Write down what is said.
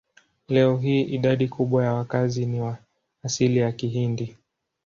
Leo hii idadi kubwa ya wakazi ni wa asili ya Kihindi.